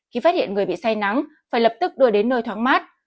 khi phát hiện người bị say nắng phải lập tức đưa đến nơi thoáng mát